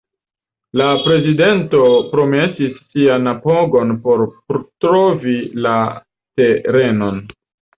La prezidento promesis sian apogon por trovi la terenon.